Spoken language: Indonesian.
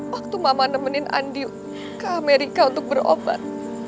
waktu mama nemenin andi ke amerika untuk berobat